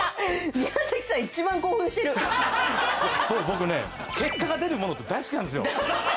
僕ね結果が出るものって大好きなんですよ。